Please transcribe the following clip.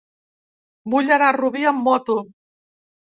Vull anar a Rubí amb moto.